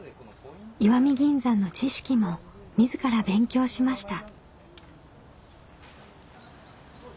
石見銀山の知識も自ら勉強しました。